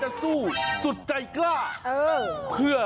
อะไรกันหน่อย